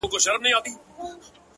خپه وې چي وړې “ وړې “وړې د فريادي وې”